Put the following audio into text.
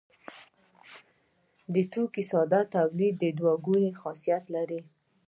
د توکو ساده تولید دوه ګونی خاصیت لري.